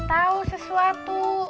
aku tahu sesuatu